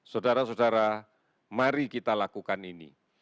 saudara saudara mari kita lakukan ini